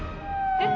えっ！